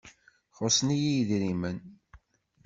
Xuṣṣen-iyi idrimen.